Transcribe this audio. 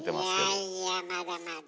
いやいやまだまだ。